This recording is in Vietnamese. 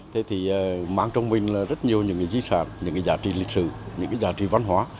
thế thì mang trong mình là rất nhiều những cái di sản những cái giá trị lịch sử những cái giá trị văn hóa